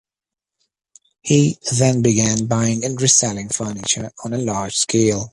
He then began buying and reselling furniture on a large scale.